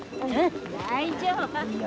大丈夫よ。